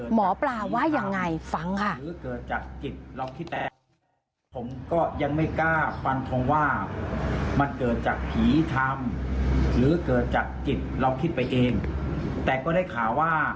หมอปลาว่ายังไงฟังค่ะ